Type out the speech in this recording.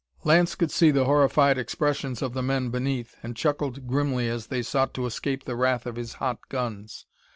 Lance could see the horrified expressions of the men beneath, and chuckled grimly as they sought to escape the wrath of his hot guns.